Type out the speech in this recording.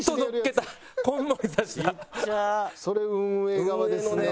それ運営側ですね。